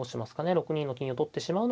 ６二の金を取ってしまうのか